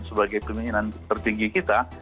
sebagai peminat tertinggi kita